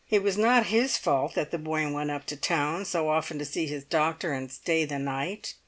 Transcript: It was not his fault that the boy went up to town so often to see his doctor and stay the night.